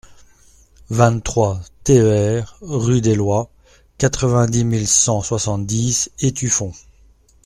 vingt-trois TER rue d'Éloie, quatre-vingt-dix mille cent soixante-dix Étueffont